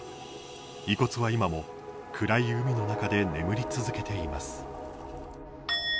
遺骨は今も、暗い海の中で眠り続けています。